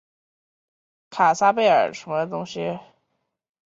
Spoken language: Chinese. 卡萨盖贝戈内人口变化图示